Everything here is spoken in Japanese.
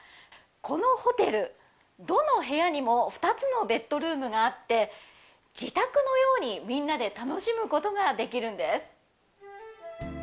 このホテル、どの部屋にも２つのベッドルームがあって自宅のようにみんなで楽しむことができるんです。